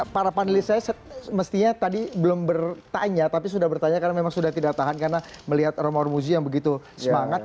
para panelis saya mestinya tadi belum bertanya tapi sudah bertanya karena memang sudah tidak tahan karena melihat romahur muzi yang begitu semangat